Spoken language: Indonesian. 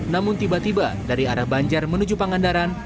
namun tiba tiba dari arah banjar menuju pangandaran